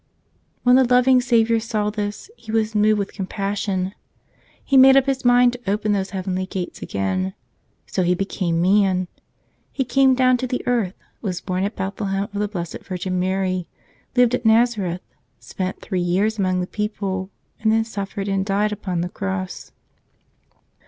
When the loving Savior saw this He was moved with compassion. He made up His mind to open those heavenly gates again. So He became Man. He came down to the earth, was born at Bethlehem of the Blessed Virgin Mary, lived at Nazareth, spent three years among the people, and then suffered and died upon the cross.